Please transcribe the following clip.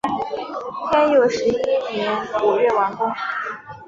天佑十一年五月完工。